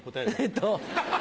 えっと。